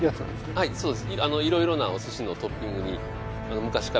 はいそうです